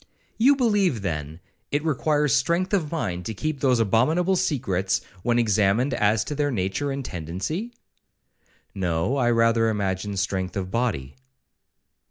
'You believe, then, it requires strength of mind to keep those abominable secrets, when examined as to their nature and tendency?'—'No, I rather imagine strength of body.'